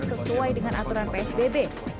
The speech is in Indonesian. sesuai dengan aturan psbb